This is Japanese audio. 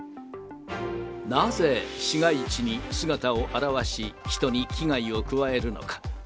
なぜ、市街地に姿を現し、人に危害を加えるのか。